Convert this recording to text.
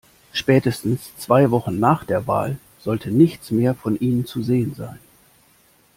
Spätestens zwei Wochen nach der Wahl sollte nichts mehr von ihnen zu sehen sein.